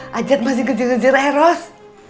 majat masih kejar kejar eh ros